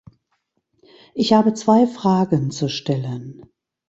Ich habe zwei Fragen zu stellen.